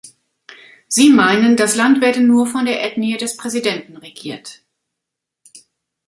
Sie meinen, das Land werde nur von der Ethnie des Präsidenten regiert.